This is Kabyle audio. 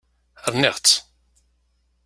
Rniɣ-tt.